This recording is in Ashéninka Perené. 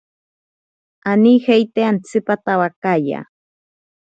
Anijeite atsipatabakaya.